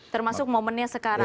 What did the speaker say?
termasuk momennya sekarang